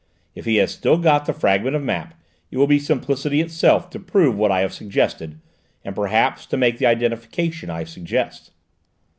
If he has still got the fragment of map, it will be simplicity itself to prove what I have suggested, and perhaps to make the identification I suggest."